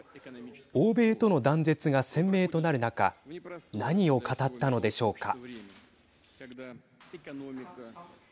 欧米との断絶が鮮明となる中何を語ったのでしょうか。